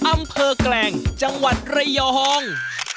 อำเภอแกลงจังหวัดระยอง